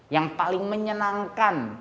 yang paling menyenangkan